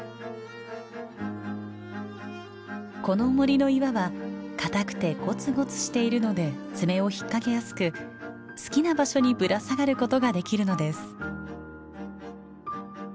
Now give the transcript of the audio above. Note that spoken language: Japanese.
この森の岩は硬くてゴツゴツしているので爪を引っ掛けやすく好きな場所にぶら下がることができるのです。